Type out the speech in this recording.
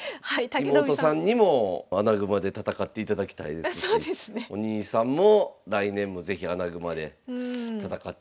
妹さんにも穴熊で戦っていただきたいですしお兄さんも来年も是非穴熊で戦っていただきたいと。